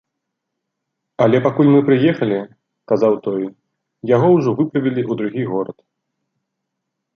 Але пакуль мы прыехалі, казаў той, яго ўжо выправілі ў другі горад.